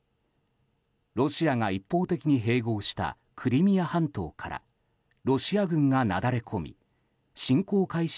ロシアが一方的に併合したクリミア半島からロシア軍がなだれ込み侵攻開始